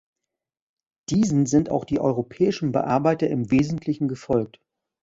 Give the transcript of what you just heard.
Diesen sind auch die europäischen Bearbeiter im Wesentlichen gefolgt.